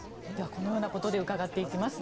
このようなことで伺っていきます。